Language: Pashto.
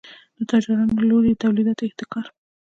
د تجارانو له لوري د تولیداتو احتکار.